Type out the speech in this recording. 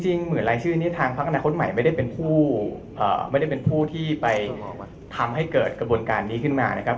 จริงหมื่นลายชื่อนี้ทางภาคกรรมนาคตใหม่ไม่ได้เป็นผู้ที่ไปทำให้เกิดกระบวนการนี้ขึ้นมานะครับ